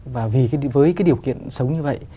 và với điều kiện sống như vậy